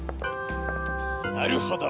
なるほど！